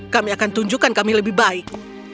kami akan tunjukkan kami lebih baik